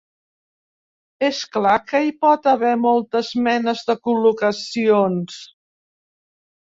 És clar que hi pot haver moltes menes de col·locacions.